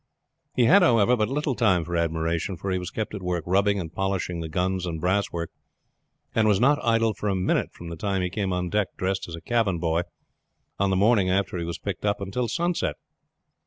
He had, however, but little time for admiration; for he was kept at work rubbing and polishing the guns and brass work, and was not idle for a minute from the time he came on deck dressed as a cabin boy on the morning after he was picked up until sunset.